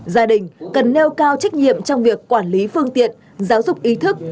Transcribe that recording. gia đình cần nêu cao trách nhiệm trong việc quản lý phương tiện giáo dục ý thức